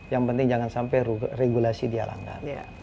yang penting jangan sampai regulasi dihalangkan